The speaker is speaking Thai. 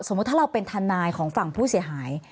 ถ้าเราเป็นทนายของฝั่งผู้เสียหาย